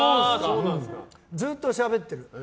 ずっとしゃべってる。